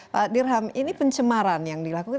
pak dirham ini pencemaran yang dilakukan